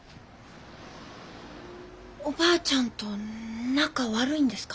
おばあちゃんと仲悪いんですか？